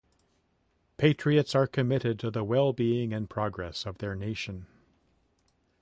Patriots are committed to the well-being and progress of their nation.